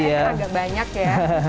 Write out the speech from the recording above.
ya agak banyak ya